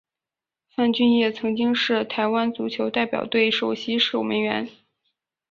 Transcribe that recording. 范俊业曾经是香港足球代表队首席守门员。